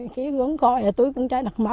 khi ngưỡng gọi là tôi cũng